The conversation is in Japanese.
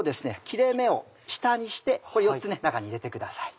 切れ目を下にして４つ中に入れてください。